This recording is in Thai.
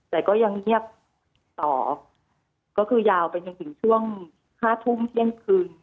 แต่ก็ยังเงียบต่อก็คือยาวไปจนถึงช่วง๕ทุ่มเที่ยงคืน